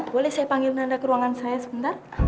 boleh saya panggil anda ke ruangan saya sebentar